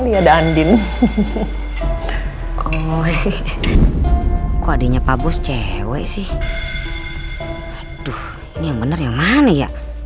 ini yang bener yang mana ya